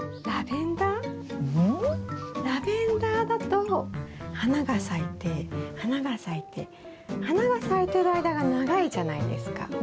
ラベンダーだと花が咲いて花が咲いて花が咲いてる間が長いじゃないですか。